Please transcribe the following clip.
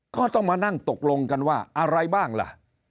ก็ต้องมานั่งตกลงกันว่าอะไรบ้างล่ะ